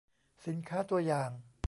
สินค้าตัวอย่าง